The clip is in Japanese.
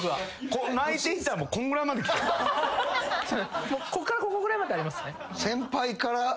こっからここぐらいまであります。